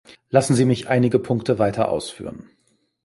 Lassen Sie mich einige Punkte weiter ausführen.